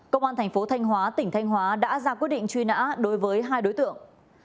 công an thành phố thanh hóa tỉnh thanh hóa đã ra quyết định truy nã đối với hai đối tượng